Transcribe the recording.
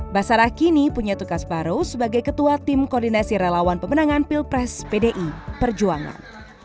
basarah kini punya tugas baru sebagai ketua tim koordinasi relawan pemenangan pilpres pdi perjuangan